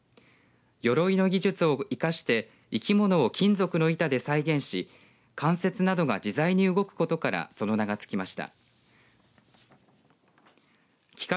よろいの技術を生かして生き物を金属の板で再現し関節などが自在に動くことからその名が付きました。